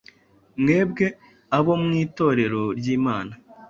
Mwebwe abo mu itorero ry’Imana